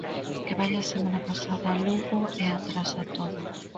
Que vai a semana pasada a Lugo e atrasa todo.